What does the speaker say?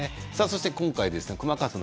今回、熊川さん